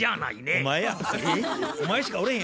お前しかおれへん。